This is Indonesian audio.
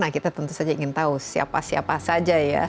kita tentu saja ingin tahu siapa siapa saja